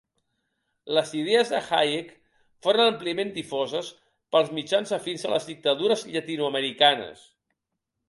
Les idees de Hayek foren àmpliament difoses pels mitjans afins a les dictadures llatinoamericanes.